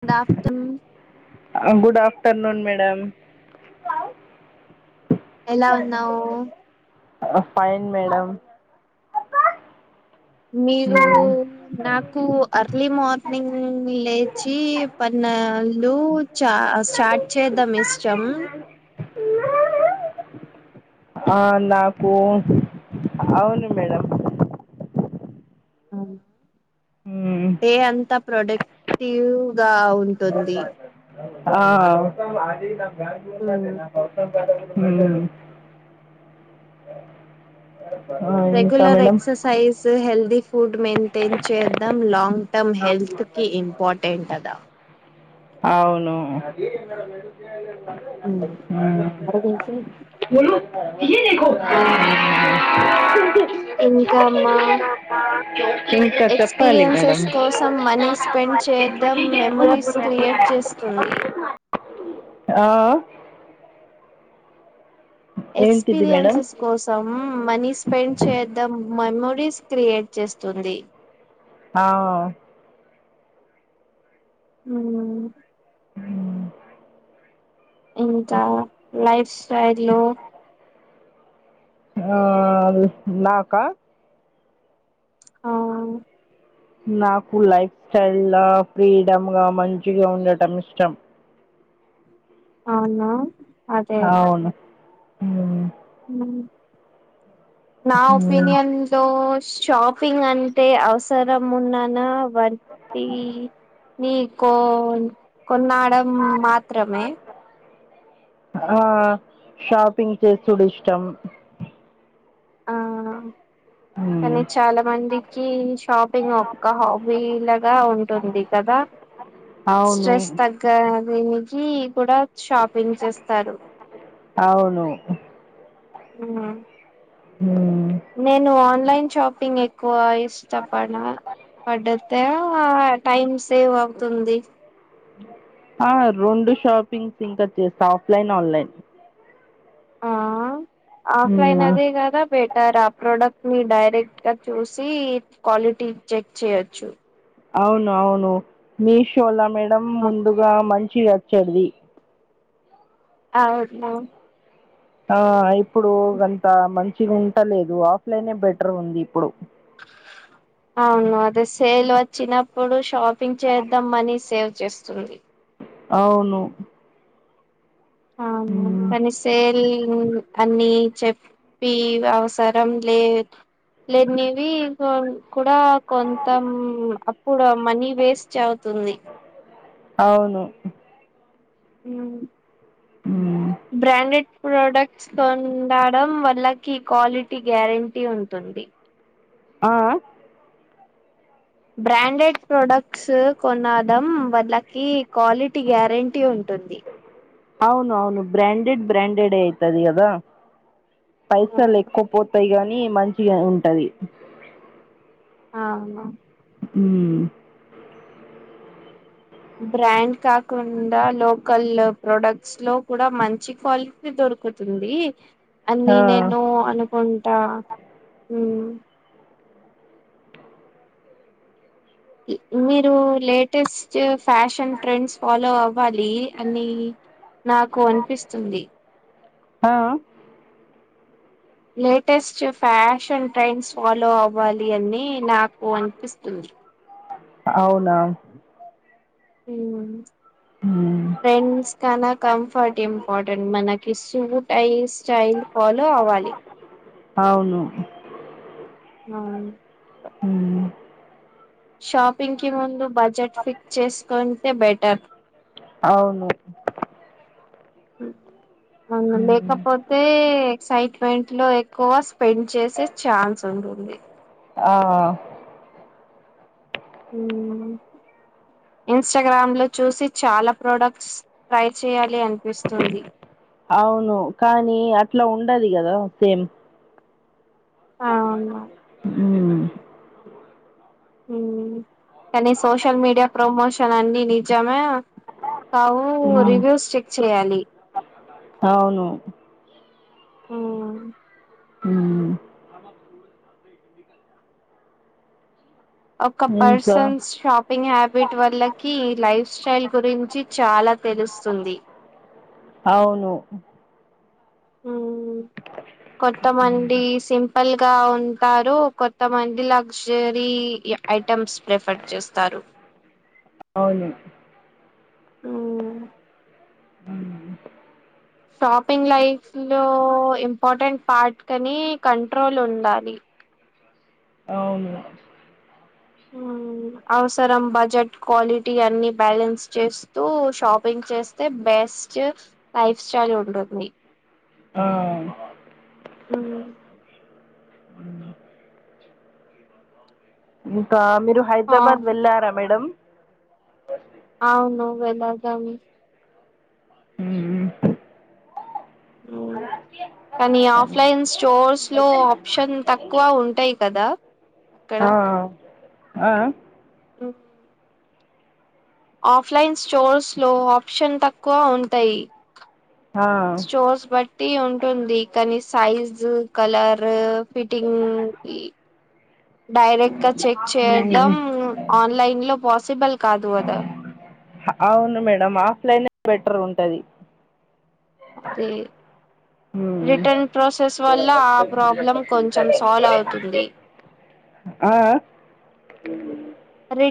Good afternoon good afternoon madam ఎలా ఉన్నావు ఆ ఫైన్ మేడంమ్ మీరు నాకు అర్లీ మార్నింగ్ లేచి పన్న ళు చా స్టార్ట్ చేద్దాం ఇష్టం ఆ నాకు అవును మేడంమ్ అవును ఏ అంత ప్రొడక్టివ్ గా ఉంటుంది అస అది నా గద మ్మ్. నాస [inaudible] ఉం ఇంకా regular madam exercise healthy food maintain చేద్దాం లాంగ్ టర్మ్ హెల్త్కి ఇంపార్టెంట్ కదా అవును హు ఇ దకుో ఇంకా మా ఇంకా చెప్పాలి మేడం ఎక్స్పీరియన్సెస్ కోసం మనీ స్పెండ్ చేద్దాం మెమోరీస్ క్రియేట్ చేస్తుంది ఆ మేడం ఎక్స్పీరియన్సెస్ కోసం మనీ స్పెండ్ చేద్దాం మెమొరీస్ క్రియేట్ చేస్తుంది ఆ ఉ ఇంకా లైఫ్ స్టైల్ ఆ ఆ నాకు లైఫ్ స్టైల్ ల ఫ్రీడమ్గ మంచిగా ఉండటం ఇష్టం అవునా అదే అవును నా మ్మ్ ఒపీనియన్ లో షాపింగ్ అంటే అవసరం ఉన్నాన వట్టి నీ కో కొన్నాడం మాత్రమే ఆ షాపింగ్ చేసుడు ఇష్టం ఆ మ్మ్ కానీ చాల మందికి షాపింగ్ ఒక హాబీ లాగ ఉంటుంది కదా అవును స్ట్రెస్ తగ్గ నికి కూడ షాపింగ్ చేస్తారు అవును ఆ హు నేను ఆన్లైన్ షాపింగ్ ఎక్కువ ఇష్ట పడితే ఆ టైమ్ సేవ్ అవుతుంది ఆ రెండు షాపింగ్స్ ఇంకా చేస్తా ఆఫ్లైన్ ఆన్లైన్ ఆ ఆఫ్లైన్ మ్మ్ అదే కదా బెటర్ ఆ ప్రోడక్ట్ మీ డైరెక్ట్గా చూసి క్వాలిటీ చెక్ చేయొచ్చు అవును అవును మీ షోల మేడం ముందుగా మంచి [unintelligible] అవును ఆ ఇప్పుడు అంత మంచిగా ఉంటలేదు ఆఫ్లైనే బెటర్ ఉంది ఇప్పుడు అవును అదే సేల్ వచ్చినప్పుడు షాప్ షాపింగ్ చేద్దాం మనీ సేవ్ చేస్తుంది అవును అను మ్మ్ కానిసేల్ అన్ని చెప్పి అవసరం లే లేనివి [unintelligible] కూడ కొంతం అప్పుడు మనీ వేస్ట్ అవుతుంది అవును ఉమ్, బ్రాండెడ్ ప్రొడక్ట్స్ కొండడం వాల్లకి క్వాలిటీ గ్యారెంటీ ఉంటుంది. ఆ బ్రాండెడ్ ప్రొడక్ట్స్ కొనడం వాళ్ళకి క్వాలిటీ గ్యారంటీ ఉంటుంది. అవును అవును బ్రాండెడ్ బ్రాండెడే అవుతాది కదా పైసలు ఎక్కువ పోతాయి గాని మంచిగా ఉంటాది. హా ఆ ఉ బ్రాండ్ కాకుండా లోకల్ ప్రొడక్ట్స్ లో కూడా మంచి క్వాలిటీ దొరుకుతుంది. దొరుకుతుంది అని ఆ నేను అనుకుంటా మీరు లేటెస్ట్ ఫ్యాషన్ ట్రెండ్స్ ఫాలో అవ అవ్వాలి అని నాకు అనిపిస్తుంది. ఆ లేటెస్ట్ ఫ్యాషన్ ట్రెండ్స్ ఫాలవు అవ్వాలి అని నాకు అనిపిస్తుంది. అవునా మ్ ఉమ్, ఫ్రెండ్స్ కన్నా కంఫర్ట్ ఇంపార్టెంట్ మనకి స్టై స్టైల్ ఫాలో అవ్వాలి. అవును అవును మ్ షాపింగ్ కి ముందు బడ్జెట్ ఫిక్స్ చేసుకుంటే బెటర్. అవును అవును. ఉమ్, లేకపోతే ఎక్సైట్మెంట్ లో ఎక్కువ స్పెండ్ చేసే ఛాన్స్ ఉంటుంది. ఆ మ్ ఇన్స్టాగ్రామ్ లో చూసి చాలా ప్రాడక్ట్స్ ట్రై చేయాలి అనిపిస్తుంది. అవును. కానీ అట్లా ఉండది కదా సేమ్. అవును [unintelligible] కానీ సోషల్ మీడియా ప్రమోషన్ అన్నీ నిజమే కావు ఉమ్, రివ్యూస్ చెక్ చెయ్యాలి. అవును మ్ మ్ ఒక ఇంకా పర్సన్స్ షాపింగ్ హ్యాబిట్ వాల్లకి లైఫ్ స్టైల్ గురించి చాలా తెలుస్తుంది. అవును మ్ కొంతమంది సింపుల్ గా ఉంటారు. కొంతమంది లగ్జరీ గా ఉంటారు. ఐటమ్స్ ప్రిఫర్ చేస్తారు. అవును ఉమ్ మ్ షాపింగ్ లైఫ్ లో ఇంపార్టెంట్ పార్ట్ కానీ కంట్రోల్ ఉండాలి. అవును ఆ అవసరం బడ్జెట్ క్వాలిటీ అన్ని బ్యాలెన్స్ చేస్తూ షాపింగ్ చేస్తే బే బెస్ట్ లైఫ్ స్టైల్ వుంటుంది ఆ ఉమ్ ఇంకా మీరు ఆ హైదరాబాద్ వెళ్ళారా మేడం అవును వెేళదామ్ ఆ కానీ ఆఫ్లైన్ స్టోర్స్ లో ఆప్షన్ తక్కువ ఉంటాయి కదా అక్కడ ఆ ఆ ఉ ఆఫ్లైన్ స్టోర్స్ లో ఆప్షన్ తక్కువ ఉంటాయి ఆ స్టోర్స్ బట్ బట్టి ఉంటుంది కానీ సైజు కలర్ ఫిట్టింగ్ డైరెక్ట్ కా చెక్ చేయడం ఆన్లైన్ లో పాసిబుల్ కాదు కదా అవును మేడం ఆఫ్లైన్ ఎ బెటర్ ఉంటది అదే రిటర్న్ ప్రాసెస్ వల్ల ఆ ప్రాబ్లం కొంచెం సాల్వ్ అవుతుంది ఆ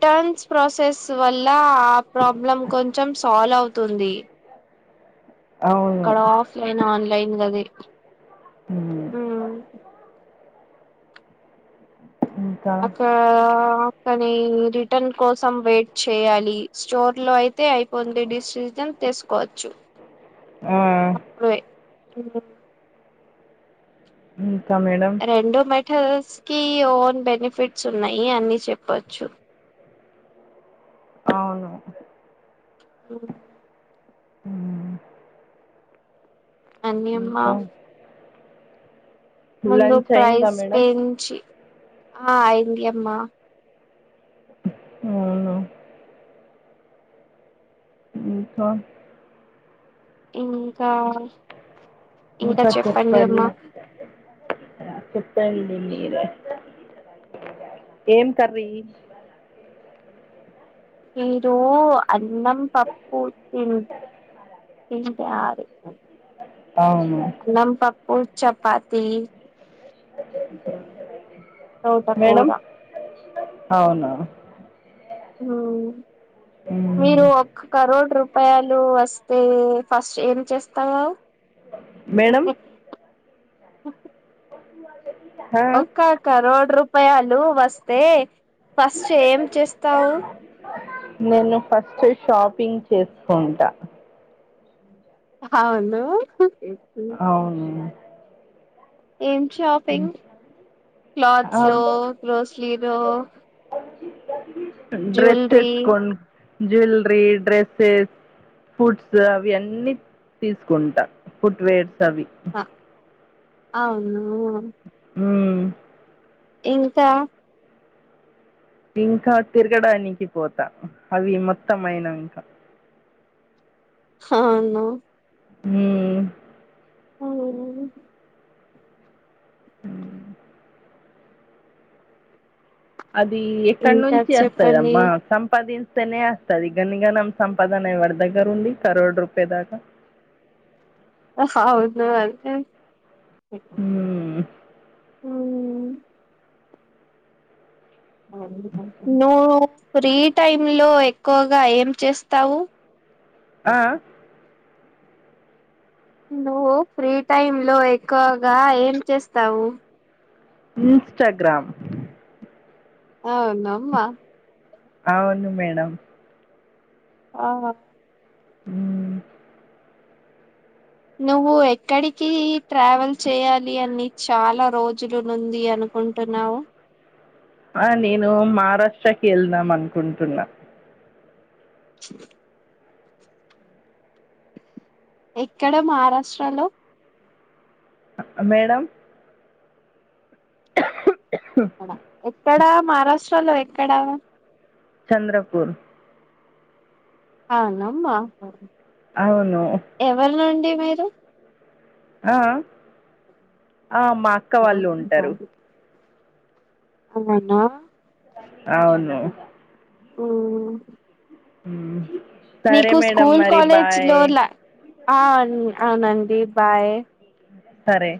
రిటర్న్స్ ప్రాసెస్ వల్ల ఆ ప్రాబ్లం కొంచెం సాల్వ్ అవుతుంది అవును అక్కడ ఆఫ్లైన్ ఆన్లైన్ గది ఉ ఉమ్ ఇంకా అక్కడా కానీ రిటర్న్ కోసం వెయిట్ చేయాలి స్టోర్ లో అయితే అయిపోంది డిసిజన్ తిసుకోచ్చు ఆ ఉ ఇఇంకా మేడం టల్స్ కి ఓన్ బెనిఫిట్స్ ఉన్నాయి అని చెప్పచ్చు అవును ఓ ఉ అన్నీ అమ్మా ముందు లంచ్ అయిందా ప్రైస్ మేడం పేంచి ఆ అయింది అమ్మా అవునా ఇ స ఇంకా ఇంకా చెప్పండి అమ్మ చెప్పండి మీరే ఏమ్ కర్రీ మీరు అన్నం పప్పుూ తి తింటారీ అవును అన్నం పప్పు చెపాతి తోటకూర మేడం అవునా ఆ అవును మీరు మ్మ్. ఒక్క రోడ్రూ పాలు వస్తు ఫస్ట్ ఏం చేస్తావా మేడం ఆ, ఒక్క క రోడ్ రూపాయాల్లు వస్తే ఫస్ట్ ఏం చేస్తావు నేను ఫస్ట్ షాపింగ్ చేస్కుంటా అవ్ను అవును ఏం మ్మ్. షాపింగ్ ఆ, క్లాత్స్ లో గ్రోసలీలో డ్రెస్సెస్ కొన్ జ్యువెల్రీ డ్రెస్సెస్ ఫుడ్స్ అవి అన్నీ తీస్కుంటా ఫుట్ వేర్స్ అవి అవును మ్మ్ ఇంకా ఇంకా తిర్గడానికి పోతా అవి మొత్తమైయనంక హాను హ్మ్ అవునా హ్మ్ అది ఎక్కడ్ ఇంకా నుంచి చెప్పండి వస్తదమ్మా సంపాదిం అస్తది గన్నిగానం సంపాదన ఎవ్వడి దగ్గరుంది కరోడ్ రూపాయ దాకా అహౌను అండి హ్మ్ నో ఫ్రీ టైమ్ లో ఎక్కువగా ఏం చేస్తావు ఆ నువ్వు ఫ్రీ టైమ్ లో ఎక్కువగా ఏం చేస్తావు ఇన్స్టాగ్రామ్ ఔనమ్మ అవును మేడం ఆ మ్మ్ నువ్వు ఎక్కడికి ట్రావెల్ చేయాలి అని చాలా రోజులు నుంది అనుకుంటున్నావు ఆ నేను మారాష్ట్రకి ఎళ్దాం అనుకుంటున్నా ఎక్కడ మారాష్ట్ర లో మేడం ఎక్కడా మారాష్ట్రలో ఎక్కడా చంద్రపూర్ ఆ నమ్మ అవును మీరు ఆ ఆ ఆ మా అక్క వాళ్ళు ఉంటరు అవునా అవును ఆ ఉ మీకు స్కూల్ కాలేజ్ లో లా ఆ అవునండి బాయ్ సరే